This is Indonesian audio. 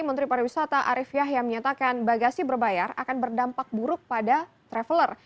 menteri pariwisata arief yahya menyatakan bagasi berbayar akan berdampak buruk pada traveler